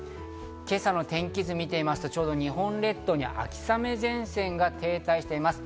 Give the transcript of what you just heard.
今朝の天気図を見てみますと、ちょうど日本列島に秋雨前線が停滞しています。